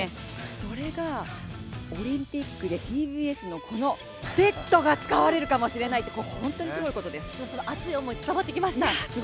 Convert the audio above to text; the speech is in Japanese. それがオリンピックでＴＢＳのこのセットが使われるかもしれないって熱い思い伝わってきました。